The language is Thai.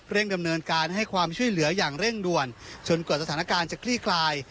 ดำเนินการให้ความช่วยเหลืออย่างเร่งด่วนจนกว่าสถานการณ์จะคลี่คลาย